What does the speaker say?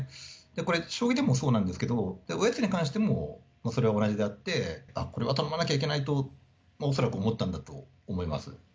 これ、将棋でもそうなんですけど、おやつに関しても、それは同じであって、これは頼まなきゃいけないと、恐らく思ったんだと思います。